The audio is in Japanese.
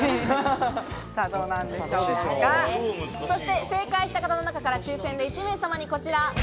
そして、正解した方の中から抽選で１名様にこちら。